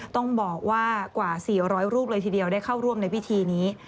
ต้องบอกว่ากว่า๔๐๐รูปเลยทีเดียวได้เข้าร่วมในพิธีนี้